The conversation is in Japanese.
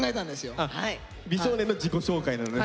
美少年の自己紹介なのね。